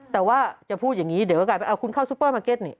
แต่ว่าจะพูดอย่างนี้เดี๋ยวก็กลายเป็นเอาคุณเข้าซูเปอร์มาร์เก็ตนี่